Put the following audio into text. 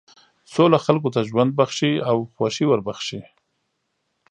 سوله خلکو ته ژوند بښي او خوښي وربښي.